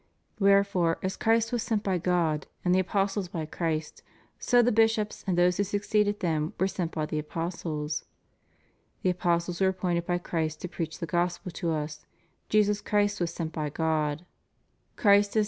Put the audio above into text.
Wherefore, as Christ was sent by God and the apostles by Christ, so the bishops and those who succeeded them were sent by the apostles. "The apostles were appointed by Christ to preach the Gospel to us. Jesus Christ was sent by God. Christ is » In Matt., lib. iv., cap. 28, v. 20.